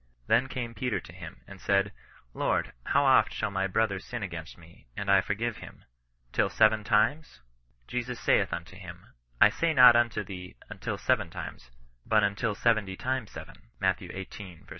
Then came Peter to him, and said, Lord, how oft shall my brother sin against me, and I forgive him ? Till seven times ? Jesus saith unto him, I say not unto thee, until seven times, but until seventy times seven." lb. xviii.